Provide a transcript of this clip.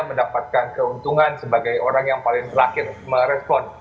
mendapatkan keuntungan sebagai orang yang paling terakhir merespon